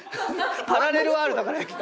パラレルワールドから来た？